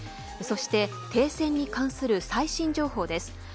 そして停戦に関する最新情報です。